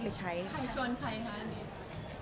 ใครชวนใครคะ